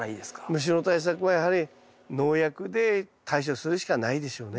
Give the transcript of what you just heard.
虫の対策はやはり農薬で対処するしかないでしょうねやっぱりね。